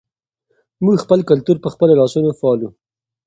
موږ خپل کلتور په خپلو لاسونو پالو.